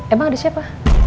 emang ada siapa